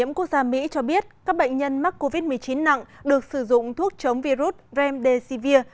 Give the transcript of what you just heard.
quốc gia mỹ cho biết các bệnh nhân mắc covid một mươi chín nặng được sử dụng thuốc chống virus remdesivir